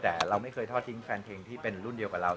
แต่เราไม่เคยทอดทิ้งแฟนเพลงที่เป็นรุ่นเดียวกับเรา